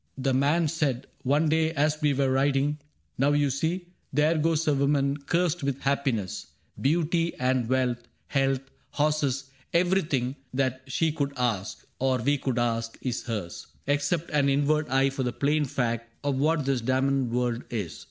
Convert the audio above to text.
The man said One day, as we were riding, ' Now, you see. There goes a woman cursed with happiness : Beauty and wealth, health, horses, — everything CAPTAIN CRAIG 23 That she could ask, or we could ask, is hers, Except an inward eye for the plain fact Of what this damned world is.